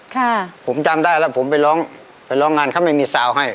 ค่ะผมจำได้แล้วผมไปร้องไปร้องงานเขาไม่มีซาวให้